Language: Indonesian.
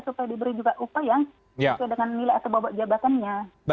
supaya diberi juga upah yang sesuai dengan nilai atau bobot jabatannya